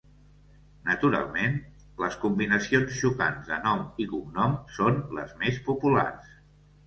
Naturalment, les combinacions xocants de nom i cognom són les més populars.